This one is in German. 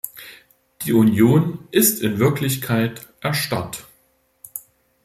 Die Union ist in Wirklichkeit erstarrt.